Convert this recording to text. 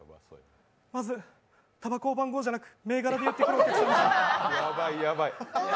まずたばこを番号じゃなく銘柄で言ってくるお客さんです。